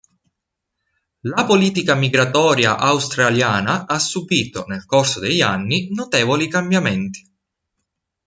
La politica migratoria australiana ha subito, nel corso degli anni, notevoli cambiamenti.